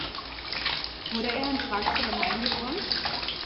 Wurde er in Frankfurt am Main geboren?